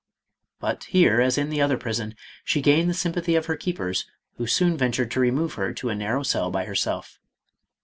But here, as in the other prison, she gained the sympathy of her keepers, who soon ventured to remove her to a narrow cell by herself.